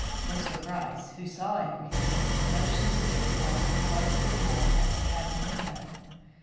Mr. Gryce, who saw everything, motioned to Sweetwater to close the door as he had the window.